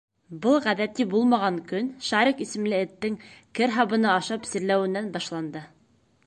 Был ғәҙәти булмаған көн Шарик исемле эттең кер һабыны ашап сирләүенән башланды.